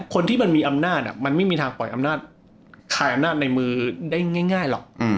คนที่มันมีอำนาจมันไม่มีทางปล่อยอำนาจคลายอำนาจในมือได้ง่ายหรอก